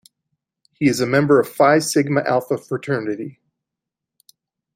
He is a member of Phi Sigma Alpha Fraternity.